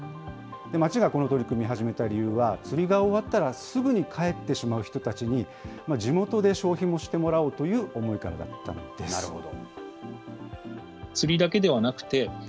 町がこの取り組みを始めた理由は、釣りが終わったら、すぐに帰ってしまう人たちに、地元で消費もしてもらおうという思なるほど。